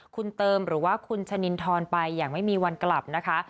คุณเติมหรือว่าคุณชะนินทรไปอย่างไม่มีวันกลับนะคะ